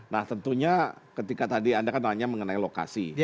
nah tentunya ketika tadi anda kan tanya mengenai lokasi